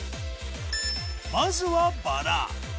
まずはバラ。